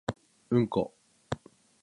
うんこ